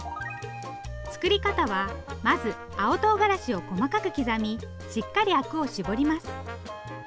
作り方はまず青とうがらしを細かく刻みしっかりアクを絞ります。